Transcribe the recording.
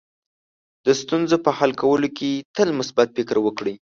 د ستونزو په حل کولو کې تل مثبت فکر وکړئ.